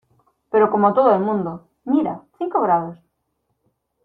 pero como todo el mundo. mira, cinco grados .